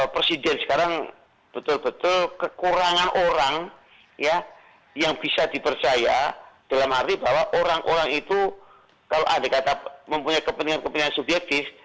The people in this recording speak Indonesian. presiden sekarang betul betul kekurangan orang yang bisa dipercaya dalam arti bahwa orang orang itu kalau andai kata mempunyai kepentingan kepentingan subjektif